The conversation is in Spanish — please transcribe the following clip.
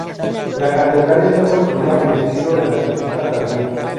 La Catedral está construida en estilo renacentista tardío.